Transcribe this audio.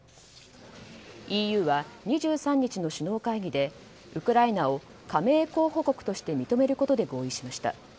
ＥＵは２３日の首脳会議でウクライナを加盟候補国として認めることで合意しました。